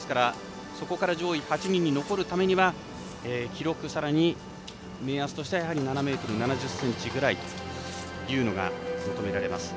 そこから上位８人に残るためには記録、さらに目安としては７ｍ７０ｃｍくらいというのが求められます。